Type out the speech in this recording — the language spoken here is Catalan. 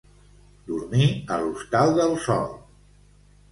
Dormir a l'hostal del sol.